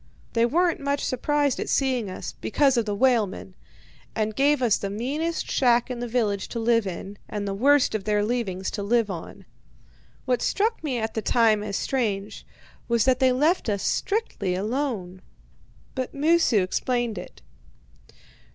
They weren't much surprised at seeing us because of the whalemen and gave us the meanest shack in the village to live in, and the worst of their leavings to live on. What struck me at the time as strange was that they left us strictly alone. But Moosu explained it.